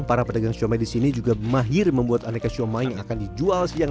para pedagang shumai di sini juga mahir membuat aneka shumai yang akan dijual siang